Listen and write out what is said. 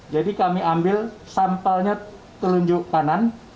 jadi kami ambil sampelnya telunjuk kanan